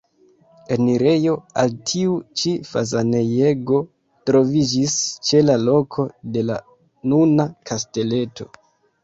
Enirejo al tiu ĉi fazanejego troviĝis ĉe la loko de la nuna kasteleto.